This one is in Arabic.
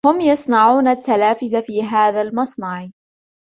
هم يصنعون التلافز في هذا المصنع.